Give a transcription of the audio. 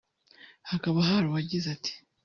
hakaba hari uwagize ati